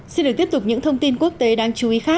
xin được tiếp tục những thông tin